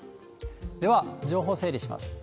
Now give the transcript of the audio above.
では、情報整理します。